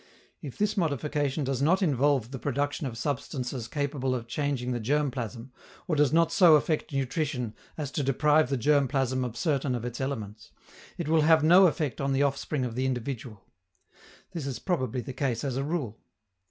If this modification does not involve the production of substances capable of changing the germ plasm, or does not so affect nutrition as to deprive the germ plasm of certain of its elements, it will have no effect on the offspring of the individual. This is probably the case as a rule.